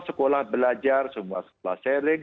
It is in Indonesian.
sekolah belajar semua sekolah sharing